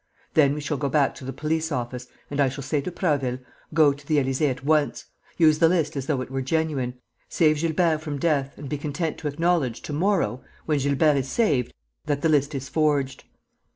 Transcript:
Then we shall go back to the police office and I shall say to Prasville, 'Go to the Élysée at once.... Use the list as though it were genuine, save Gilbert from death and be content to acknowledge to morrow, when Gilbert is saved, that the list is forged....